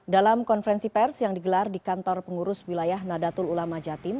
dalam konferensi pers yang digelar di kantor pengurus wilayah nadatul ulama jatim